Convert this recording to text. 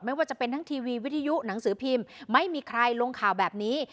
ไม่ว่าจะเป็นทั้งทีวีวิทยุหนังสือพิมพ์ไม่มีใครลงข่าวแบบนี้